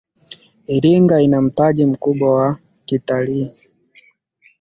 iringa ina mtaji mkubwa wa kitalii